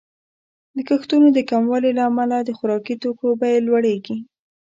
د کښتونو د کموالي له امله د خوراکي توکو بیې لوړیږي.